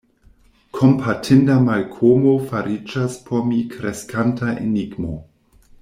Kompatinda Malkomo fariĝas por mi kreskanta enigmo.